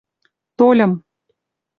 — Тольым...